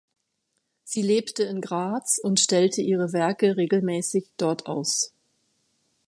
Sie lebte in Graz und stellte ihre Werke regelmäßig dort aus.